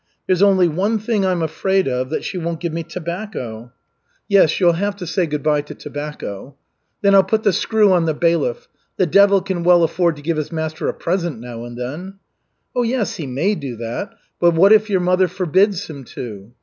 There's only one thing I'm afraid of, that she won't give me tobacco." "Yes, you'll have to say good by to tobacco." "Then I'll put the screw on the bailiff. The devil can well afford to give his master a present now and then." "Oh, yes, he may do that, but what if your mother forbids him to?"